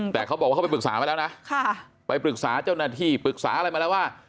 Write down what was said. แต่เขาบอกว่าเขาไปปรึกษามาแล้วนะไปปรึกษาเจ้าหน้าที่ปรึกษาอะไรมาแล้วว่า